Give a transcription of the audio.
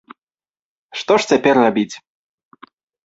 Што ж цяпер рабіць?